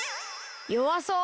よわそう！